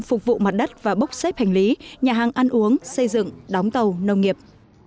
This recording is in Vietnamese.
phục vụ mặt đất và bốc xếp hành lý nhà hàng ăn uống xây dựng đóng tàu nông nghiệp